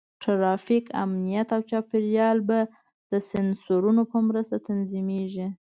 ټرافیک، امنیت، او چاپېریال به د سینسرونو په مرسته تنظیمېږي.